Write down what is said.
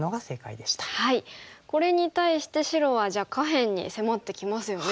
これに対して白は下辺に迫ってきますよね。